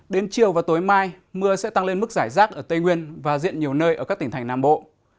đến chiều và tối mai mưa sẽ tăng lên mức giải rác ở tây nguyên và diện nhiều nơi ở các tỉnh thành nam bộ